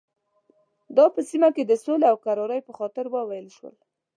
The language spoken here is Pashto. دا په سیمه کې د سولې او کرارۍ په خاطر وویل شول.